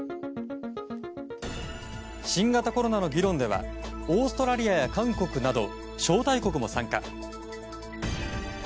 新型コロナの議論ではオーストラリアや韓国など招待国も参加。